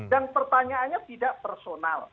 dan pertanyaannya tidak personal